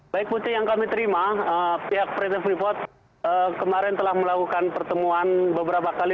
baik putri yang kami terima pihak pt freeport kemarin telah melakukan pertemuan beberapa kali